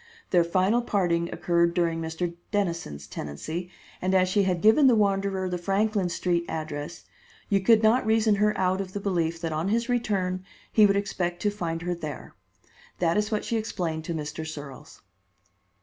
Their final parting occurred during Mr. Dennison's tenancy, and as she had given the wanderer the Franklin Street address, you could not reason her out of the belief that on his return he would expect to find here there. That is what she explained to Mr. Searles."